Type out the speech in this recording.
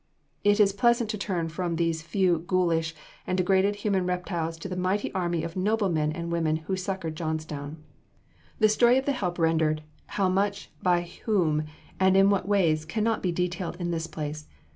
It is pleasant to turn from these few ghoulish and degraded human reptiles to the mighty army of noble men and women who succored Johnstown. The story of the help rendered, how much, by whom, and in what ways can not be detailed in this place.